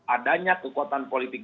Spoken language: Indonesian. adanya kekuatan politik